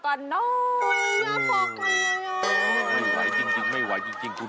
คาถาที่สำหรับคุณ